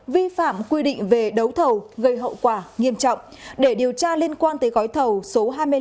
vi phạm quy định về đấu thầu gây hậu quả nghiêm trọng để điều tra liên quan tới gói thầu số hai mươi năm